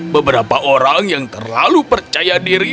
beberapa orang yang terlalu percaya diri